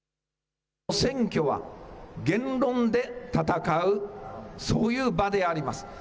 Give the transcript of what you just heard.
選挙は言論で戦う、そういう場であります。